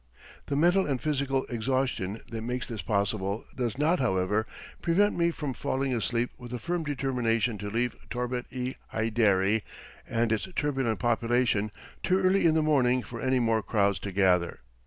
The mental and physical exhaustion that makes this possible, does not, however, prevent me from falling asleep with a firm determination to leave Torbet i Haiderie and its turbulent population too early in the morning for any more crowds to gather.